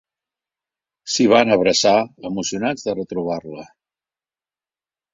S'hi van abraçar, emocionats de retrobar-la.